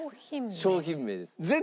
商品名です。